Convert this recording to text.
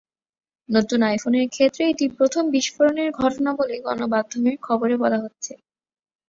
নতুন আইফোনের ক্ষেত্রে এটি প্রথম বিস্ফোরণের ঘটনা বলে গণমাধ্যমের খবরে বলা হচ্ছে।